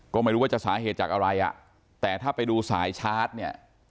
ก็ไม่รู้ว่าจะสาเหตุจากอะไรอ่ะแต่ถ้าไปดูสายชาร์จเนี่ย